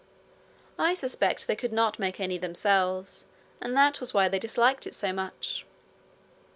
I suspect they could not make any themselves, and that was why they disliked it so much.